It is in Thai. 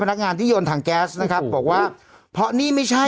พนักงานที่โยนถังแก๊สนะครับบอกว่าเพราะนี่ไม่ใช่